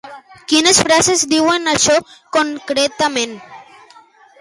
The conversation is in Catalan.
Quines frases diuen això, concretament?